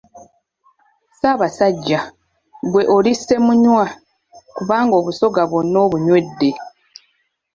Ssaabasajja, ggwe oli Ssemunywa, kubanga Obusoga bwonna obunywedde!